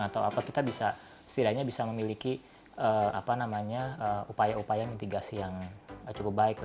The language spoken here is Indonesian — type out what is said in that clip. atau apa kita bisa setidaknya bisa memiliki upaya upaya mitigasi yang cukup baik